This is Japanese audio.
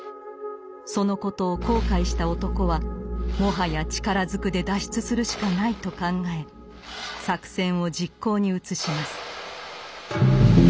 そのことを後悔した男はもはや力ずくで脱出するしかないと考え作戦を実行に移します。